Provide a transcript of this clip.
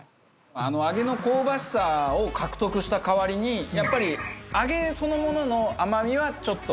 あの揚げの香ばしさを獲得した代わりにやっぱり揚げそのものの甘みはちょっとなくなってますよね。